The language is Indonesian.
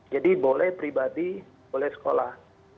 jadi boleh pribadi boleh sekolah